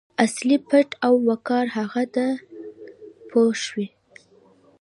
اصلي پت او وقار هغه دی پوه شوې!.